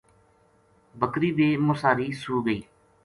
بکری بے مُساری سُو گئی